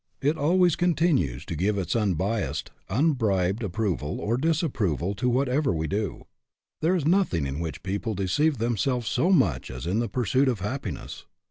It always continues to give its unbiased, unbribed approval or disapproval to whatever we do. There is nothing in which people deceive themselves so much as in the pursuit of happi ness.